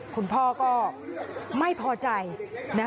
คุณพ่อก็ไม่พอใจนะคะ